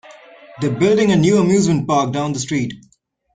They're building a new amusement park down the street.